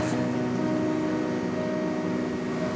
aku benar benar senang